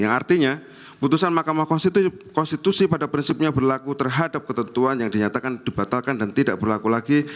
yang artinya putusan mahkamah konstitusi pada prinsipnya berlaku terhadap ketentuan yang dinyatakan dibatalkan dan tidak berlaku lagi